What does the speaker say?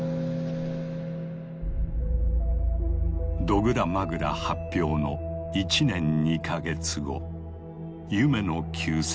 「ドグラ・マグラ」発表の１年２か月後夢野久作